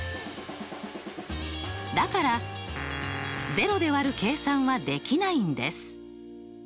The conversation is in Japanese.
だから０で割る計算はできないんです。